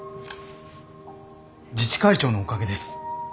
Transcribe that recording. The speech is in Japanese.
自治会長のおかげです。